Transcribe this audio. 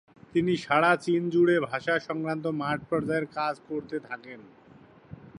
তিনি সারা চীনজুড়ে ভাষা সংক্রান্ত মাঠ পর্যায়ের কাজ করতে থাকেন।